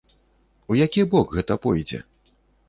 У які бок гэта пойдзе?